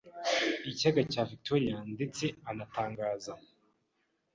ikiyaga cya Victoria ndetse anatangaza